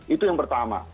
itu yang pertama